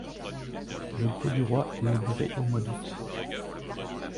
Le Grau-du-Roi est libéré au mois d’août.